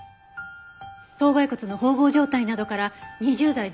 頭蓋骨の縫合状態などから２０代前半。